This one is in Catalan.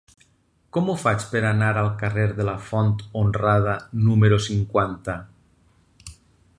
Com ho faig per anar al carrer de la Font Honrada número cinquanta?